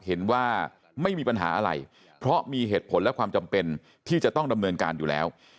เห็นว่าไม่มีปัญหาอะไรเพราะมีเหตุผลและความจำเป็นที่จะต้องดำเนินการอยู่แล้ว